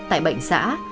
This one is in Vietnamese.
tại bệnh xã